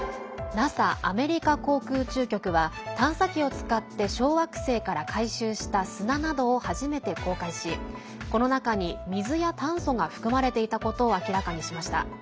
ＮＡＳＡ＝アメリカ航空宇宙局は探査機を使って、小惑星から回収した砂などを初めて公開しこの中に水や炭素が含まれていたことを明らかにしました。